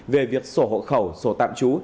về việc sổ hộ khẩu sổ tạm chú